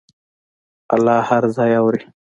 الله هر څه اوري.